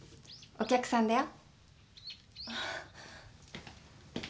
お客さんだよ。